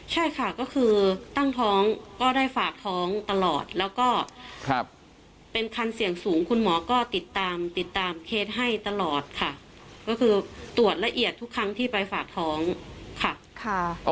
ใช่ค่ะก็คือตั้งท้องก็ได้ฝากท้องตลอดแล้วก็เป็นคันเสี่ยงสูงคุณหมอก็ติดตามติดตามเคสให้ตลอดค่ะก็คือตรวจละเอียดทุกครั้งที่ไปฝากท้องค่ะ